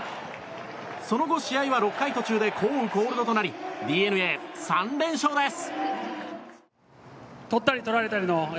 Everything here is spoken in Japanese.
その後、試合は６回途中で降雨コールドとなりＤｅＮＡ、３連勝です。